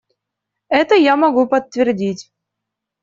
Это я могу подтвердить.